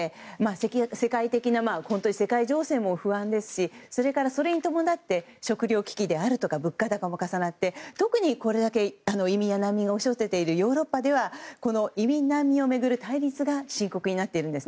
本当に世界情勢も不安ですしそれからそれに伴って食料危機であるとか物価高も重なって特にこれだけ移民や難民が押し寄せているヨーロッパでは移民・難民を巡る対立が深刻になっているんです。